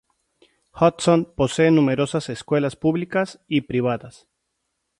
Hudson posee numerosas escuelas públicas y privadas.